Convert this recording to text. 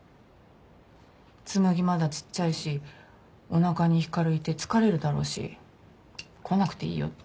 紬まだちっちゃいしおなかに光いて疲れるだろうし来なくていいよって。